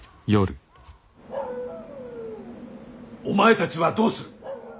お前たちはどうする。